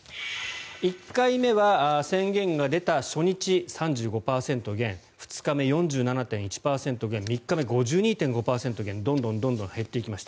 １回目は宣言が出た初日３５％減２日目、４７．１％減３日目、５２．５％減どんどん減っていきました。